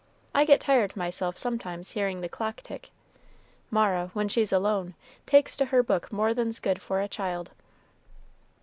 I get tired myself sometimes hearing the clock tick. Mara, when she's alone, takes to her book more than's good for a child."